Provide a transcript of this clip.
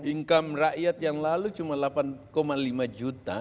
income rakyat yang lalu cuma delapan lima juta